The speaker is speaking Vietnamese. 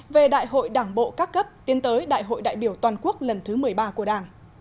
về đại hội đảng bộ các cấp tiến tới đại hội đại biểu toàn quốc lần thứ một mươi ba của đảng